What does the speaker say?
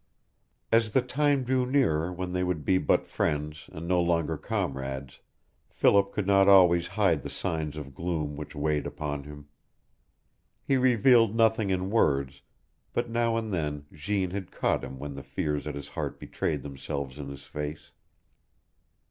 As the time drew nearer when they would be but friends and no longer comrades, Philip could not always hide the signs of gloom which weighed upon him. He revealed nothing in words; but now and then Jeanne had caught him when the fears at his heart betrayed themselves in his face.